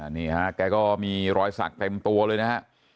นี่แจก็มีรอยสักเป็นตัวเลยนะ